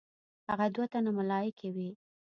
هغه دوه تنه ملایکې وې.